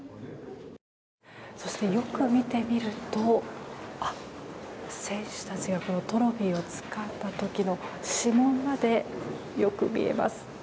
よく見てみると選手たちがトロフィーをつかんだ時の指紋まで、よく見えます。